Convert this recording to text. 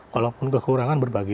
walaupun kekurangan berbagi